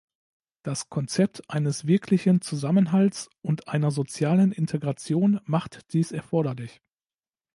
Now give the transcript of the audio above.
Das Konzept eines wirklichen Zusammenhalts und einer sozialen Integration macht dies erforderlich.